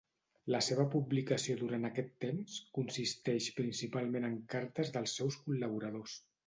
La seva publicació durant aquest temps consisteix principalment en cartes dels seus col·laboradors.